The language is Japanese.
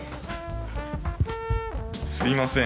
すみません。